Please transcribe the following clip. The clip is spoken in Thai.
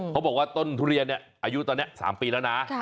เขาบอกว่าต้นทุเรียนเนี่ยอายุตอนนี้๓ปีแล้วนะ